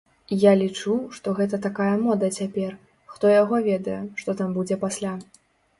Я лічу, што гэта такая мода цяпер, хто яго ведае, што там будзе пасля.